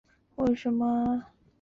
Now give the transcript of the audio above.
一说王叔桓公即是王孙苏。